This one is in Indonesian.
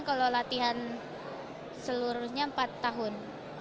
kalau latihan seluruhnya empat tahun